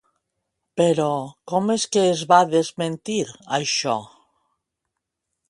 Però, com és que es va desmentir, això?